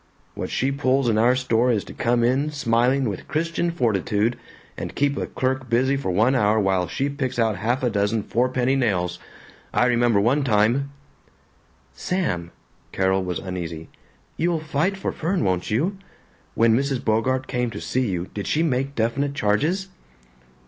What she pulls in our store is to come in smiling with Christian Fortitude and keep a clerk busy for one hour while she picks out half a dozen fourpenny nails. I remember one time " "Sam!" Carol was uneasy. "You'll fight for Fern, won't you? When Mrs. Bogart came to see you did she make definite charges?"